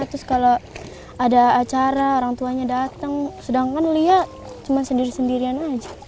terus kalau ada acara orang tuanya datang sedangkan lia cuma sendiri sendirian aja